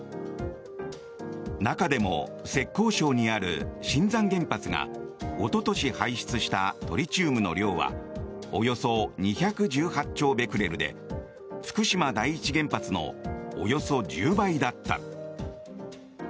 中でも浙江省にある秦山原発がおととし排出したトリチウムの量はおよそ２１８兆ベクレルで福島第一原発のおよそ１０倍だった。